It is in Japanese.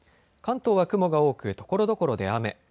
関東は雲が多くところどころで雨。